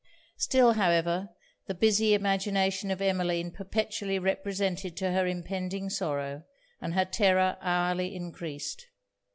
Still, however, the busy imagination of Emmeline perpetually represented to her impending sorrow, and her terror hourly encreased.